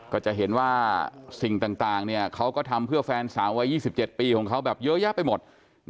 ก็จะเห็นว่าสิ่งต่างเขาก็ทำเพื่อแฟนสาววัย๒๗ปีของเขาแบบเยอะแยะไปหมด